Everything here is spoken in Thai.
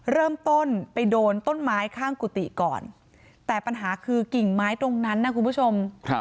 เริ่มต้นไปโดนต้นไม้ข้างกุฏิก่อนแต่ปัญหาคือกิ่งไม้ตรงนั้นนะคุณผู้ชม